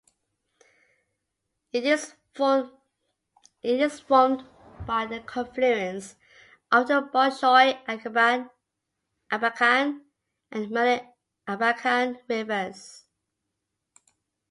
It is formed by the confluence of the Bolshoy Abakan and Maly Abakan rivers.